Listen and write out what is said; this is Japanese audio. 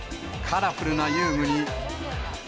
カラフルな遊具に。